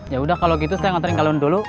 ya udah kalau gitu saya ngontrolin kalian dulu